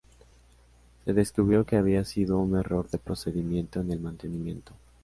Se descubrió que había sido un error de procedimiento en el mantenimiento.